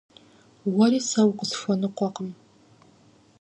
Уэри сэ укъысхуэныкъуэкъым.